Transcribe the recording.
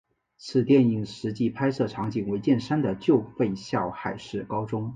此电影实际拍摄场景为釜山的旧废校海事高中。